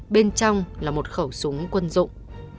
bên trong là một khẩu súng quân dụng